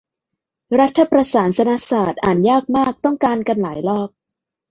รัฐประศาสนศาตร์ อ่านยากมาก ต้องการกันหลายรอบ